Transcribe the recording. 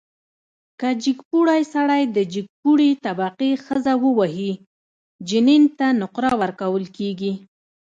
که جګپوړی سړی د جګپوړي طبقې ښځه ووهي، جنین ته نقره ورکړل شي.